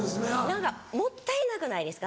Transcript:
何かもったいなくないですか？